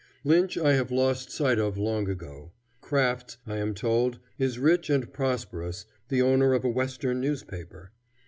Lynch I have lost sight of long ago. Crafts, I am told, is rich and prosperous, the owner of a Western newspaper.